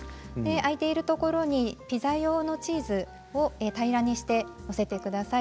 空いているところにピザ用のチーズを平らにして載せてください。